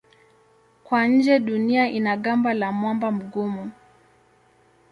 Kwa nje Dunia ina gamba la mwamba mgumu.